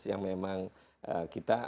yang memang kita